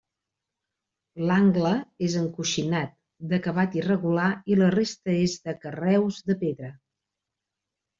L'angle és encoixinat, d'acabat irregular, i la resta és de carreus de pedra.